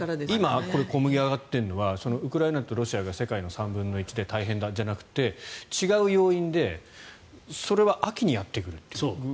今小麦が上がっているのはウクライナとロシアが世界の３分の１で大変だじゃなくて違う要因でそれは秋にやってくるという。